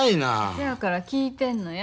そやから聞いてんのや。